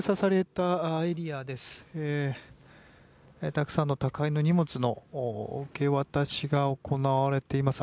たくさんの宅配の荷物の受け渡しが行われています。